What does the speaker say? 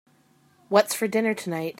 What's for dinner tonight?